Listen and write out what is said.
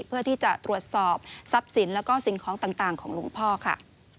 เพื่อที่จะตรวจสอบทรัพย์สินแล้วก็สิ่งของต่างของหลวงพ่อค่ะ